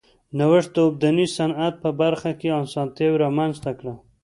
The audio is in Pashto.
نوښت د اوبدنې صنعت په برخه کې اسانتیا رامنځته کړه.